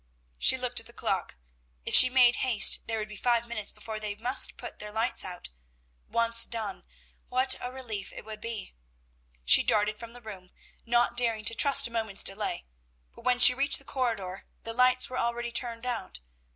She looked at the clock; if she made haste there would be five minutes before they must put their lights out! Once done, what a relief it would be! She darted from the room, not daring to trust a moment's delay; but when she reached the corridor the lights were already turned out.